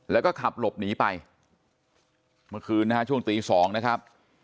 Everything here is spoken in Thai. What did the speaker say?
แล้วก็ขับหลบหนีไปเมื่อคืนนะฮะช่วงตีสองนะครับ